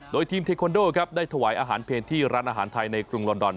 โดยทีมเทคอนโดครับได้ถวายอาหารเพลที่ร้านอาหารไทยในกรุงลอนดอน